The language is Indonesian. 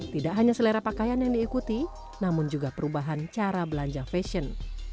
tidak hanya selera pakaian yang diikuti namun juga perubahan cara belanja fashion